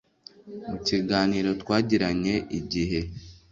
Mu kiganiro twagiranye IGIHE